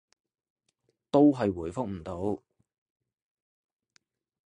都係回覆唔到